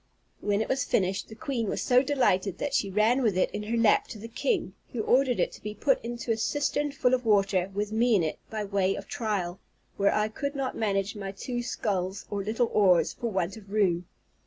When it was finished, the queen was so delighted that she ran with it in her lap to the king, who ordered it to be put into a cistern full of water, with me in it, by way of trial; where I could not manage my two sculls, or little oars, for want of room.